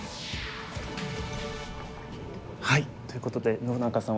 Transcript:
はいということで野中さん